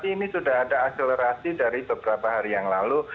jadi ini adalah asal yang diungkapkan oleh repatriasi dari beberapa hari yang lalu